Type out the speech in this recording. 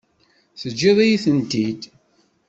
Teǧǧiḍ-iyi-tent-id.